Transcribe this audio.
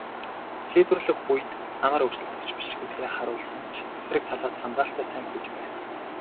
Шийдвэрлэх үед амар өрсөлдөгч биш гэдгээ харуулсан ч эсрэг талаас хамгаалалтаа сайн хийж байв.